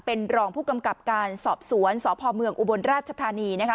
เป็นรองผู้กำกับการสอบสวนสพเมืองอุบลราชธานีนะคะ